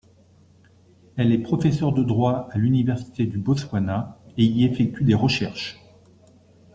Elle est professeur de droit à l'université du Botswana et y effectue des recherches.